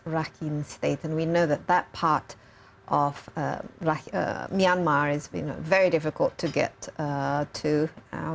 dan kita tahu bahwa bagian dari myanmar sangat sulit untuk diberitahu